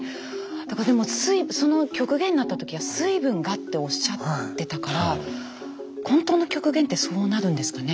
でもその極限になった時は水分がっておっしゃってたから本当の極限ってそうなるんですかね。